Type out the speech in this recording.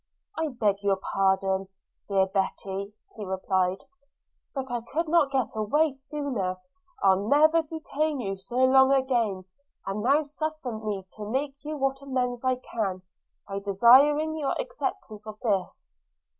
'I beg your pardon, dear Betty!' replied he; 'but I could not get away sooner. I'll never detain you so long again; and now suffer me to make you what amends I can, by desiring your acceptance of this.'